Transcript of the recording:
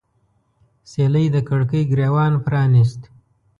سیلۍ د کړکۍ ګریوان پرانیست